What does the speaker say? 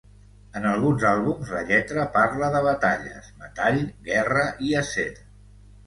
En alguns àlbums, la lletra parla de batalles, metall, guerra i acer.